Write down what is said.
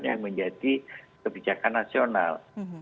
yang menjadi kebijakan nasional